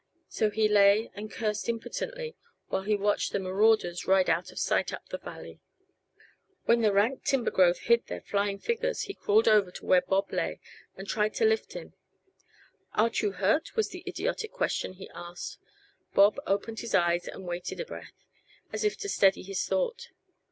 So he lay and cursed impotently while he watched the marauders ride out of sight up the valley. When the rank timber growth hid their flying figures he crawled over to where Bob lay and tried to lift him. "Art you hurt?" was the idiotic question he asked. Bob opened his eyes and waited a breath, as if to steady his thought.